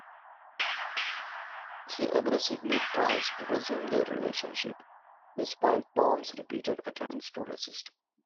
She aggressively tries to resume their relationship, despite Tom's repeated attempts to resist.